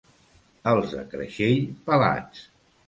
Els de Creixell, pelats.